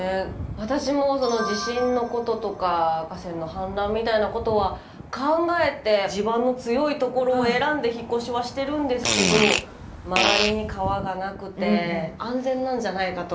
私もその地震のこととか河川の氾濫みたいなことは考えて地盤の強いところを選んで引っ越しはしてるんですけど周りに川がなくて安全なんじゃないかと勝手にちょっと思ってますね。